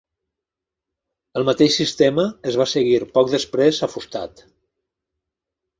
El mateix sistema es va seguir poc després a Fustat.